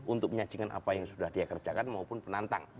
untuk menyajikan apa yang sudah dia kerjakan maupun penantang